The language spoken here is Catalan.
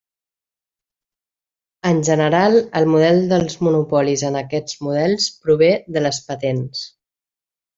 En general el model dels monopolis en aquests models prové de les patents.